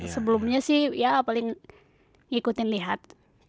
sebelumnya sih ya paling ngikutin lihat